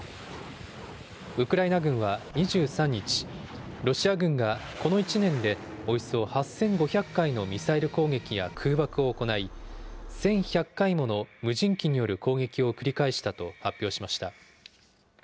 ウクライナ軍は２３日、ロシア軍がこの１年でおよそ８５００回のミサイル攻撃や空爆を行い、１１００回もの無人機による攻撃を繰り返したと発表しました。